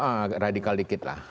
ya radikal sedikit lah